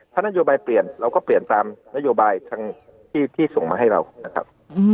ถ้านโยบายเปลี่ยนเราก็เปลี่ยนตามนโยบายที่ส่งมาให้เรานะครับ